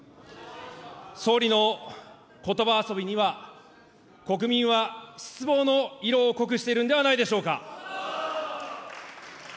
総理のことば遊びには国民は失望の色を濃くしているんではないでしょうか。